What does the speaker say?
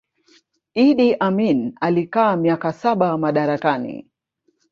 Idi Amin alikaa miaka saba madarakani